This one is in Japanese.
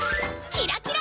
キラキラ！